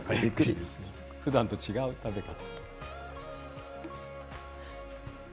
ふだんと違う食べ方。